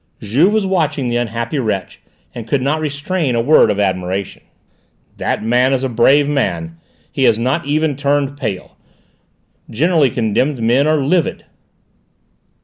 Juve was watching the unhappy wretch, and could not restrain a word of admiration. "That man is a brave man! He has not even turned pale! Generally condemned men are livid!"